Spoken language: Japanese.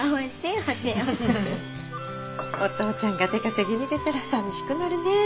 お父ちゃんが出稼ぎに出たらさみしくなるねぇ。